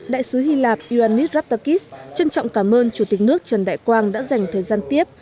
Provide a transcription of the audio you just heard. đại sứ hy lạp uani raftakis trân trọng cảm ơn chủ tịch nước trần đại quang đã dành thời gian tiếp